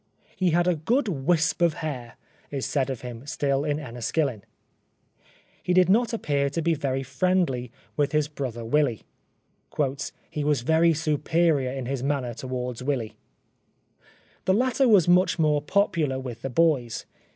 " He had a good wisp of hair!" is said of him still in Enniskillen. He did not appear to be very friendly with his brother Willy. " He was very superior in his manner towards Willy." The latter was much more popular with the boys.